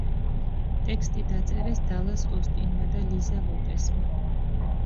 ტექსტი დაწერეს დალას ოსტინმა და ლიზა ლოპესმა.